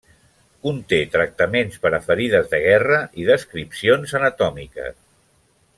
Conté tractaments per a ferides de guerra i descripcions anatòmiques.